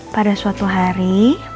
pada suatu hari